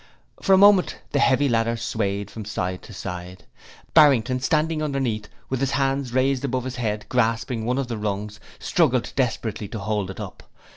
For a moment the heavy ladder swayed from side to side: Barrington, standing underneath, with his hands raised above his head grasping one of the rungs, struggled desperately to hold it up.